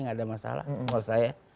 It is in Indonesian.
nggak ada masalah menurut saya